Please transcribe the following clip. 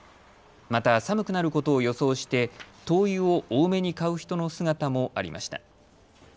また寒くなることを予想して灯油を多めに買う人の姿もありました。